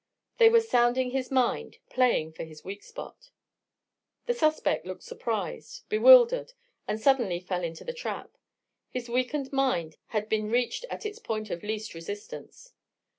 They were sounding his mind, playing for its weak spot. The suspect looked surprised, bewildered, then suddenly fell into the trap. His weakened mind had been reached at its point of least resistance.